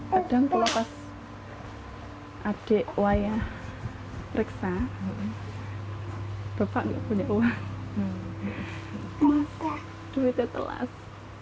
sedang telah pas adik waya reksa hai bapaknya punya uang masa duitnya telas